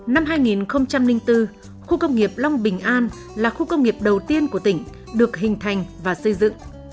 năm hai nghìn bốn khu công nghiệp long bình an là khu công nghiệp đầu tiên của tỉnh được hình thành và xây dựng